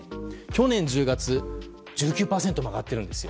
去年１０月１９％も上がっているんです。